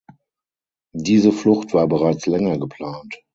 Diese Flucht war bereits länger geplant.